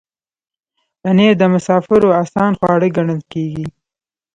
پنېر د مسافرو آسان خواړه ګڼل کېږي.